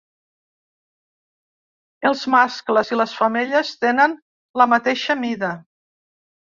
Els mascles i les femelles tenen la mateixa mida.